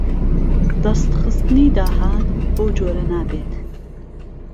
دهستخستنی داهات بهو جۆره نابێت